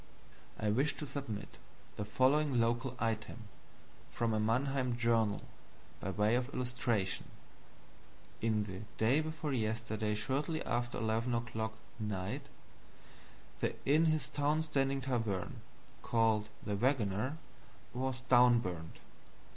I wish to submit the following local item, from a Mannheim journal, by way of illustration: "In the daybeforeyesterdayshortlyaftereleveno'clock Night, the inthistownstandingtavern called 'The Wagoner' was downburnt.